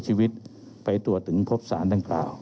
เรามีการปิดบันทึกจับกลุ่มเขาหรือหลังเกิดเหตุแล้วเนี่ย